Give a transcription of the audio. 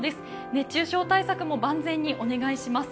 熱中症対策も万全にお願いします。